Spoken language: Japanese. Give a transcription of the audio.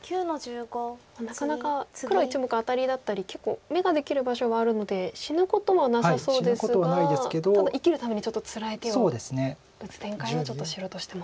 なかなか黒１目アタリだったり結構眼ができる場所はあるので死ぬことはなさそうですがただ生きるためにちょっとつらい手を打つ展開はちょっと白としても。